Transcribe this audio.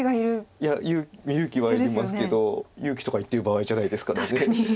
いや勇気はいりますけど勇気とか言っている場合じゃないですから。